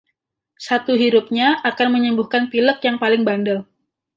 Satu hirupnya akan menyembuhkan pilek yang paling bandel.